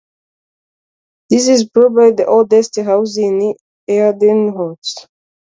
This is probably the oldest house in Aerdenhout.